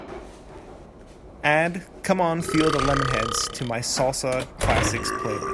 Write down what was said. Add Come on Feel the Lemonheads to my salsa classics playlist.